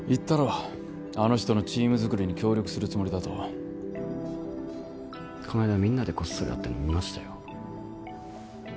たろあの人のチームづくりに協力するつもりだとこの間みんなでこっそり会ってるの見ましたよ